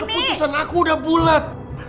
keputusan aku udah bulat